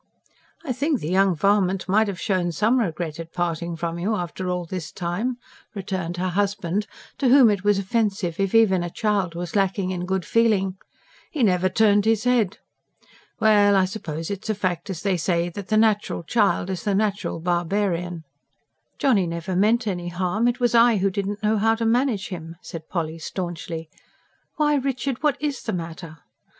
"I think the young varmint might have shown some regret at parting from you, after all this time," returned her husband, to whom it was offensive if even a child was lacking in good feeling. "He never turned his head. Well, I suppose it's a fact, as they say, that the natural child is the natural barbarian." "Johnny never meant any harm. It was I who didn't know how to manage him," said Polly staunchly. "Why, Richard, what IS the matter?"